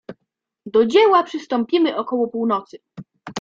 "Do dzieła przystąpimy około północy."